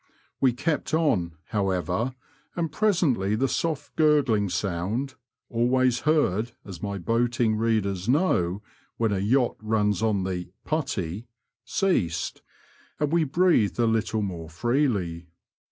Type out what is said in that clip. We kept on, however, and presently the soft gurgling sound (always heard, as my boating readers know, when a yacht runs on the putty ") ceased, and we breathed a little more freely.